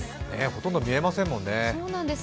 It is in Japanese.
ほとんど見えませんもんね。